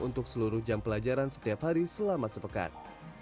untuk seluruh jam pelajaran setiap hari selama sepekan